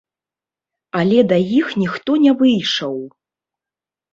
Але да іх ніхто не выйшаў.